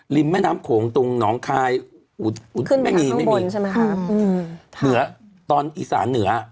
ริมแม่น้ำโขงตรงน้องคลายขึ้นมาทางข้างบนใช่ไหมครับอืมเนื้อตอนอีสานเหนือ